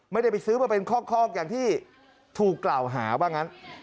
ไม่ได้ไปซื้อมาเป็นคอกอย่างที่ถูกกล่าวหาว่างั้น